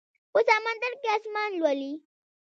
په سمندر کې اسمان لولي